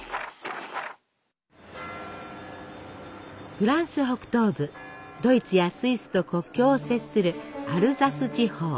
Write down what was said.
フランス北東部ドイツやスイスと国境を接するアルザス地方。